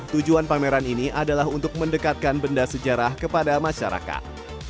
tujuan pameran ini adalah untuk mendekatkan benda sejarah kepada masyarakat